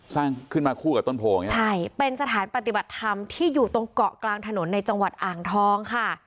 สร้างขึ้นมาคู่กับต้นโพอย่างนี้ใช่เป็นสถานปฏิบัติธรรมที่อยู่ตรงเกาะกลางถนนในจังหวัดอ่างทองค่ะ